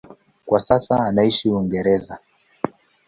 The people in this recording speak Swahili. Kwa sasa anaishi Uingereza.